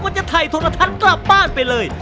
ก็จะไฮโทรธัสกลับบ้านไปเลย